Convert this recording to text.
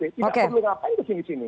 tidak perlu ngapain kesini sini